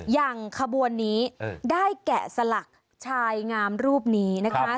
อย่างขบวนนี้ได้แกะสลักชายงามรูปนี้นะคะ